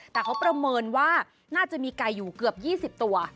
แต่เขาประเมินว่าน่าจะมีไก่อยู่เกือบ๒๐ตัว